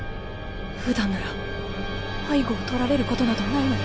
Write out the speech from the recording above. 普段なら背後を取られることなどないのに。